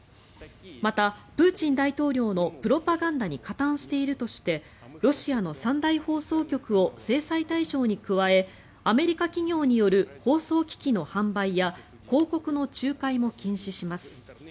また、プーチン大統領のプロパガンダに加担しているとしてロシアの三大放送局を制裁対象に加えアメリカ企業による放送機器の販売や広告の仲介も禁止します。